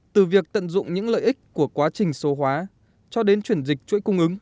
từ việc tận dụng những lợi ích của quá trình số hóa cho đến chuyển dịch chuỗi cung ứng